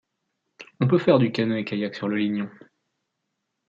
On peut faire du canöe-kayak sur le Lignon.